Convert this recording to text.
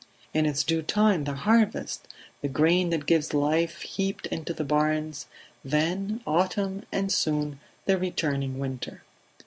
In its due time the harvest; the grain that gives life heaped into the barns; then autumn and soon the returning winter